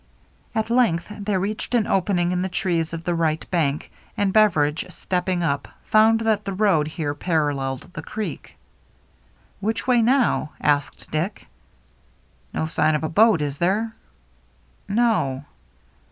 At length they reached an opening in the trees of the right bank, and Beveridge, step ping up, found that the road here paralleled the creek. " Which way now ?" asked Dick. No sign of a boat, is there ?"" No."